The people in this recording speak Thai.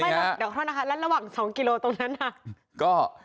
เดี๋ยวละวัง๒กิโลตรงนั้น